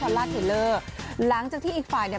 พอแล้วพอแล้วพอแล้ว